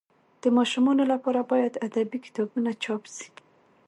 د ماشومانو لپاره باید ادبي کتابونه چاپ سي.